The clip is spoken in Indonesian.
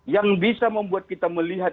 yang bisa membuat kita melihat